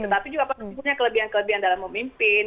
tetapi juga pasti punya kelebihan kelebihan dalam memimpin